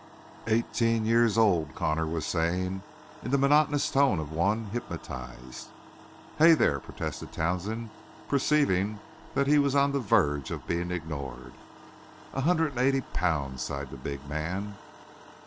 "Eighteen years old," Connor was saying in the monotonous tone of one hypnotized. "Hey, there," protested Townsend, perceiving that he was on the verge of being ignored. "A hundred and eighty pounds," sighed the big man.